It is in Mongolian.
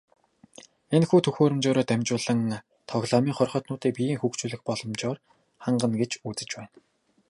Энэхүү төхөөрөмжөөрөө дамжуулан тоглоомын хорхойтнуудыг биеэ хөгжүүлэх боломжоор хангана гэж үзэж байна.